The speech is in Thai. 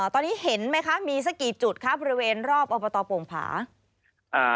ตอนนี้เห็นไหมคะมีสักกี่จุดคะบริเวณรอบอบตโป่งผาอ่า